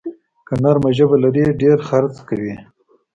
که نرمه ژبه لرې، ډېر خرڅ کوې.